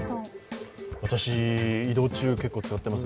私移動中、結構使ってます。